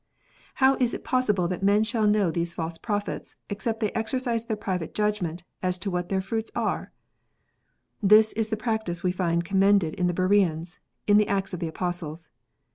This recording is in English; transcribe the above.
How is it possible that men shall know these false prophets, except they exercise their private judgment as to what their fruits are 1 This is the practice we find commended in the Bereans, in the Acts of the Apostles.